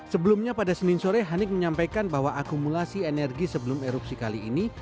sebelumnya pada senin sore hanik menyampaikan bahwa akumulasi energi sebelum erupsi kali ini